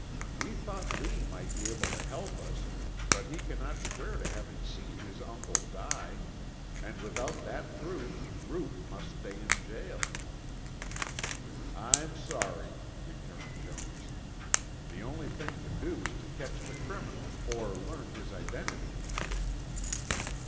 We thought Lee might be able to help us but he cannot swear to having seen his uncle die, and without that proof Ruth must stay in jail." "I'm sorry," returned Jones. "The only thing to do is to catch the criminal or learn his identity."